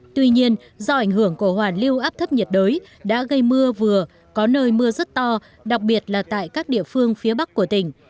tuy nhiên do ảnh hưởng của hoàn lưu áp thấp nhiệt đới đã gây mưa vừa có nơi mưa rất to đặc biệt là tại các địa phương phía bắc của tỉnh